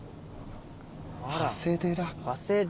長谷寺。